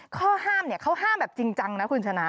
ข้อห้ามเนี่ยเขาห้ามแบบจริงจังนะคุณชนะ